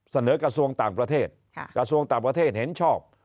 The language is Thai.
เสนอกระทรวงต่างประเทศกระทรวงต่างประเทศเห็นชอบ